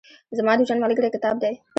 زما د ژوند ملګری کتاب دئ.